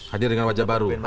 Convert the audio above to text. hadir dengan wajah baru